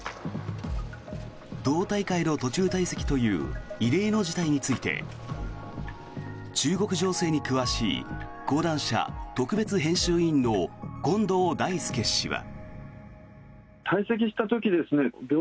党大会の途中退席という異例の事態について中国情勢に詳しい講談社特別編集委員の近藤大介氏は。